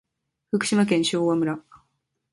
福島県昭和村